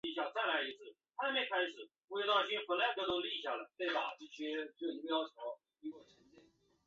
另外还有加装作业用的钢索。